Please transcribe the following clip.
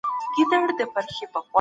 که توليد زيات سي نو صادرات هم ډېريږي.